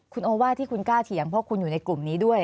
คุณโอว่าที่คุณกล้าเถียงเพราะคุณอยู่ในกลุ่มนี้ด้วย